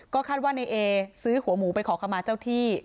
คาดว่าในเอซื้อหัวหมูไปขอขมาเจ้าที่